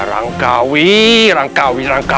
rangkawi rangkawi rangkawi